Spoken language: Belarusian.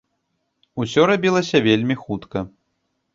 Усё рабілася вельмі хутка.